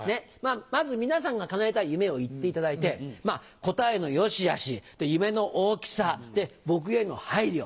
まず皆さんが叶えたい夢を言っていただいて答えの良しあし夢の大きさ僕への配慮